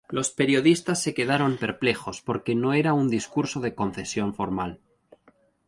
Los periodistas se quedaron perplejos, porque no era un discurso de concesión formal.